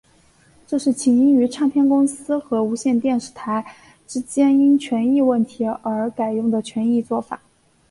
这是起因于唱片公司和无线电视台之间因权益问题而改用的权宜作法。